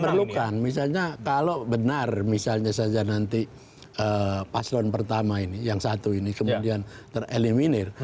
diperlukan misalnya kalau benar misalnya saja nanti paslon pertama ini yang satu ini kemudian tereliminir